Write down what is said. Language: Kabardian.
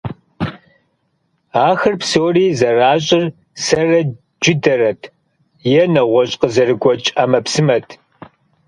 Ахэр псори зэращӀыр сэрэ джыдэрэт е нэгъуэщӀ къызэрыгуэкӀ Ӏэмэпсымэт.